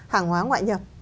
hàng hóa ngoại nhập